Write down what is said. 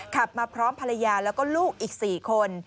ขับมาพร้อมภรรยาแล้วก็ลูกอีก๔คน